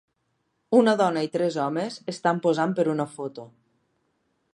Una dona i tres homes estan posant per a una foto